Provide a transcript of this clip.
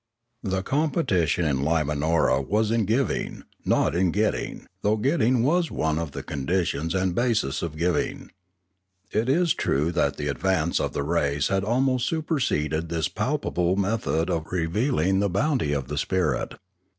The competition in Limanora was in giving, not in getting, though getting was one of the conditions and bases of giving. It is true that the advance of the race had almost superseded this palpable method of reveal ing the bounty of the spirit.